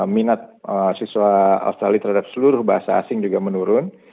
minat siswa australia terhadap seluruh bahasa asing juga menurun